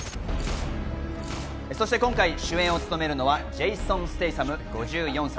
そして今回主演を務めるのはジェイソン・ステイサム、５４歳。